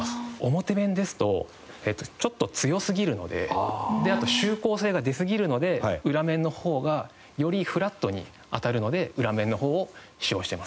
表面ですとちょっと強すぎるのであと集光性が出すぎるので裏面の方がよりフラットに当たるので裏面の方を使用しています。